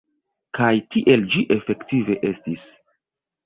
Kaj tiel ĝi efektive estis.